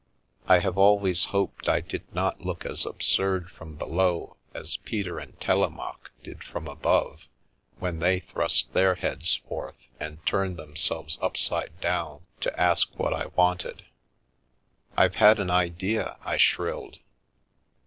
I have always hoped I did not look as absurd from below as Peter and Telemaque did from above, when they thrust their heads forth and turned themselves upside down to ask what I wanted. " I've had an idea," I shrilled.